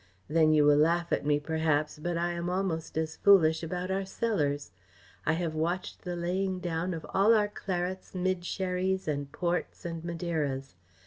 Then you will laugh at me, perhaps, but I am almost as foolish about our cellars. I have watched the laying down of all our clarets mid sherries and ports and Madeiras.